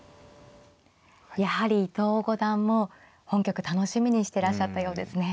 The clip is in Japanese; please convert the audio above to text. やはり伊藤五段も本局楽しみにしてらっしゃったようですね。